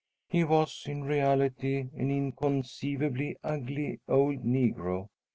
He was, in reality, an inconceivably ugly old negro.